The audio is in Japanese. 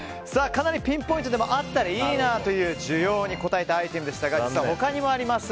かなりピンポイントでもあるあったらいいなという需要に応えたアイテムでしたが実は他にもあります。